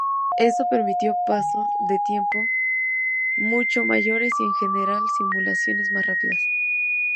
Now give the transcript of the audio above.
Esto permitió pasos de tiempo mucho mayores y en general simulaciones más rápidas.